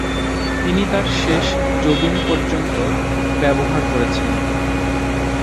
তিনি তার শেষ জবিন পর্যন্ত ব্যবহার করেছেন।